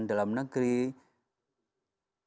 pada waktu evaluasi oleh pemerintah pemerintah dan pemerintah negara